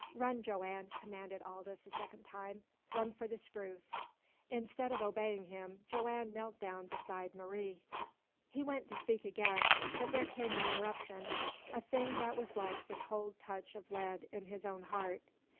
"Run, Joanne!" commanded Aldous a second time. "Run for the spruce!" Instead of obeying him, Joanne knelt down beside Marie. He went to speak again, but there came an interruption a thing that was like the cold touch of lead in his own heart.